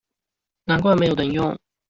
難怪沒有人用